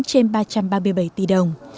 trên ba trăm ba mươi bảy tỷ đồng